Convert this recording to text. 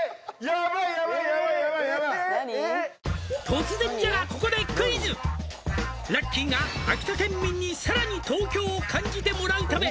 「突然じゃが」「ラッキーが秋田県民にさらに東京を感じてもらうため」